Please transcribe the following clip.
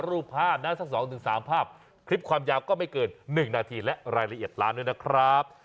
รูปภาพนั้นสักสองถึงสามภาพคลิปความยาวก็ไม่เกินหนึ่งนาทีและรายละเอียดล้านด้วยนะครับ